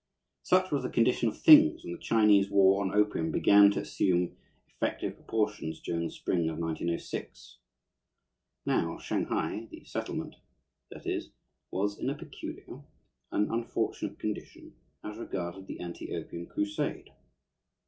Such was the condition of things when the Chinese war on opium began to assume effective proportions during the spring of 1906. Now, Shanghai the "settlement," that is was in a peculiar, an unfortunate, condition as regarded the anti opium crusade.